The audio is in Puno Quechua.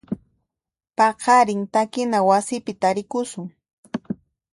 Paqarin takina wasipi tarikusun.